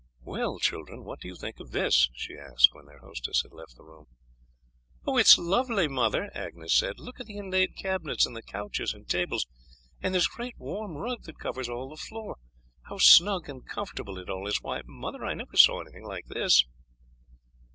"Well, children, what do you think of this?" she asked when their hostess had left the room. "It is lovely, mother," Agnes said. "Look at the inlaid cabinets, and the couches and tables, and this great warm rug that covers all the floor, how snug and comfortable it all is. Why, mother, I never saw anything like this."